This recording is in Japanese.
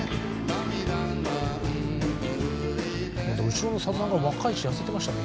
後ろのさださんが若いし痩せてましたね。